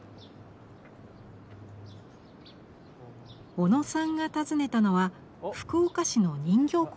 小野さんが訪ねたのは福岡市の人形工房。